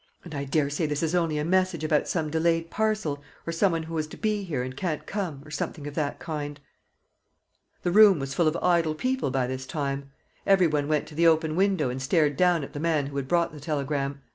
And I daresay this is only a message about some delayed parcel, or some one who was to be here and can't come, or something of that kind." The room was full of idle people by this time. Every one went to the open window and stared down at the man who had brought the telegram.